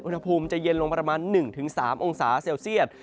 อุณหภูมิจะเย็นลงประมาณ๑๓องศาเซลเซียต